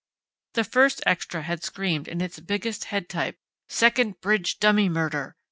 The first extra had screamed in its biggest head type: SECOND BRIDGE DUMMY MURDER!